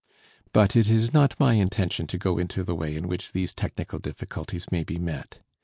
But it is not my intention to go into the way in which these technical difficulties may be met.